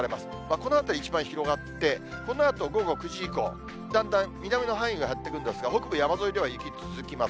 このあたり、一番広がって、このあと午後９時以降、だんだん南の範囲が減ってくるんですが、北部山沿いでは雪、続きます。